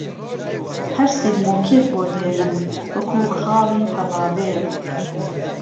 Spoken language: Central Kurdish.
هەر سیرمۆکێت بۆ دێنم وهکوو خاڵی بهڵاوێ